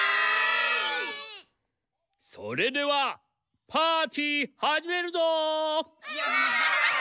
それではパーティーはじめるぞ！